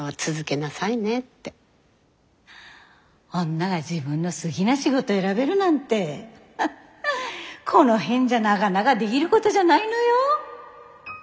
女が自分の好ぎな仕事選べるなんてこの辺じゃながなができるごどじゃないのよ。